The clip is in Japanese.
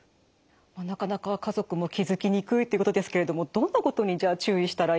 なかなか家族も気付きにくいということですけれどもどんなことにじゃあ注意したらいいですか？